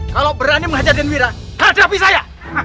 kalau berani menghajarin wira hadapi saya